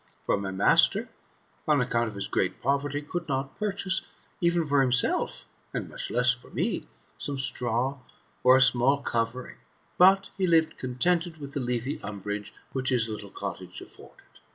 xix « For my master, on account of his great poverty, could not purchase, even for himself, and much less for me, some straw, or a small covering; but he lived contented with the leafy umbrage which his little cottage afforded.